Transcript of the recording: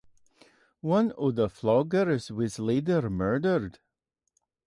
One of the floggers was later murdered.